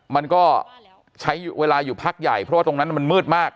มันก็ใช้เวลาอยู่พักใหญ่เพราะว่าตรงนั้นมันมืดมาก